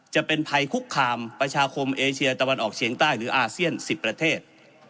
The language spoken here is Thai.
จะเป็นภัยคุกคามประชาคมเอเชียตะวันออกเฉียงใต้หรืออาเซียน๑๐ประเทศ